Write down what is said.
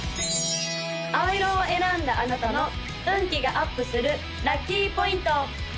青色を選んだあなたの運気がアップするラッキーポイント！